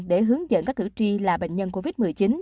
để hướng dẫn các cử tri là bệnh nhân covid một mươi chín